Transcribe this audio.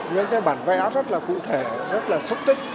những cái bản vẽ rất là cụ thể rất là xúc tích